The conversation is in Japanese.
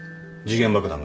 時限爆弾！？